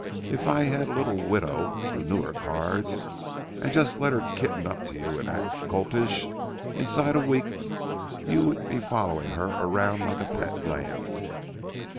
If I had a little widow who knew her cards, and just let her kitten up to you and act coltish, inside a week you would he following her around like a pet lamb."